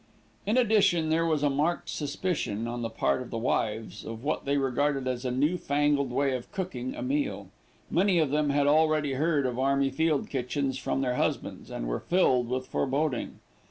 In addition there was a marked suspicion, on the part of the wives, of what they regarded as a new fangled way of cooking a meal. Many of them had already heard of army field kitchens from their husbands, and were filled with foreboding.